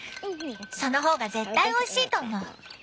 その方が絶対おいしいと思う。